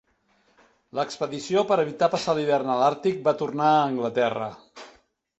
L'expedició, per evitar passar l'hivern a l'Àrtic, va tornar a Anglaterra.